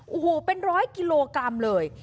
โอ้โหเป็นร้อยกิโลกรัมเลย